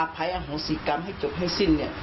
ภัยอโหสิกรรมให้จบให้สิ้น